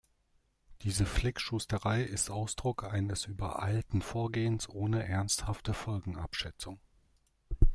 Diese Flickschusterei ist Ausdruck eines übereilten Vorgehens ohne ernsthafte Folgenabschätzung.